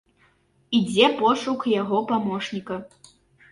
Ідзе пошук яго памочніка.